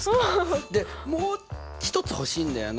でもう一つ欲しいんだよな。